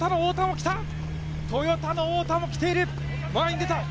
トヨタの太田も来ている。